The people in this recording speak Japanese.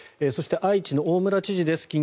そして、愛知の大村知事です。